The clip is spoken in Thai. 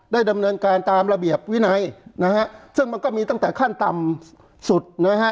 ดำเนินการตามระเบียบวินัยนะฮะซึ่งมันก็มีตั้งแต่ขั้นต่ำสุดนะฮะ